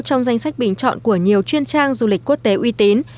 trong danh sách bình chọn của nhiều chuyên trang du lịch quốc tế uy tín